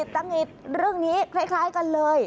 ตั้งอีกเรื่องนี้คล้ายกันเลย